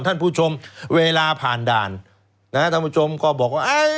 ท่านผู้ชมเวลาผ่านด่านนะฮะท่านผู้ชมก็บอกว่า